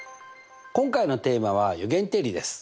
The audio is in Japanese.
今回のテーマは「余弦定理」です。